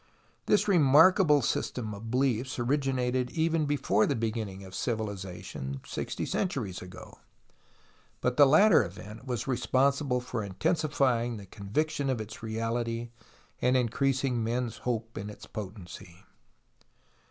This remarkable system of beliefs originated even before the beginning of civilization, sixty centuries ago ; but the latter event was re sponsible for intensifying tlie conviction of its reality and increasing men's hope in its potency.